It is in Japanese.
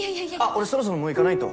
俺そろそろもう行かないと。